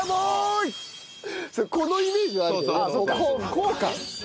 こうか！